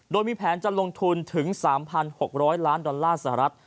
โดยมีแผนจะลงทุนถึง๓๖๐๐ล้านดอลลาร์สหรัฐ